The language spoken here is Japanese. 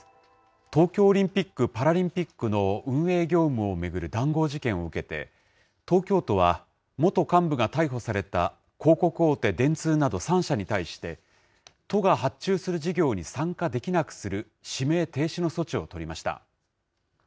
東京オリンピック・パラリンピックの運営業務を巡る談合事件を受けて、東京都は、元幹部が逮捕された広告大手、電通など３社に対して、都が発注する事業に参加できなくする、指名停止の措置を取りました。